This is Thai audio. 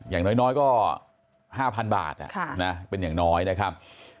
อย่างน้อยก็๕๐๐๐บาทเป็นอย่างน้อยนะครับ